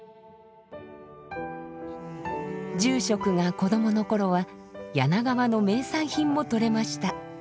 住職が子どもの頃は柳川の名産品もとれました。